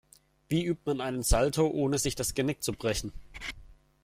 Wie übt man einen Salto, ohne sich das Genick zu brechen?